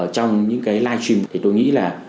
trong những cái live stream thì tôi nghĩ là